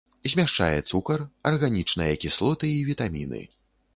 Змяшчае цукар, арганічныя кіслоты і вітаміны.